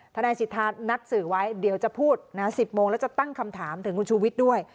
ทนายสิทธานัดสื่อไว้เดี๋ยวจะพูดนะ๑๐โมงแล้วจะตั้งคำถามถึงคุณชูวิทย์ด้วย